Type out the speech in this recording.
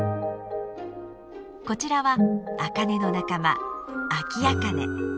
こちらはアカネの仲間アキアカネ。